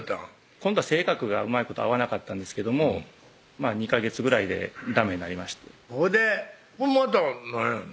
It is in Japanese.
今度は性格がうまいこと合わなかったんですけども２ヵ月ぐらいでダメになりましてほいでまた何やの？